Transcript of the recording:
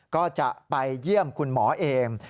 ก็จะไปเยี่ยมคุณหมอเอง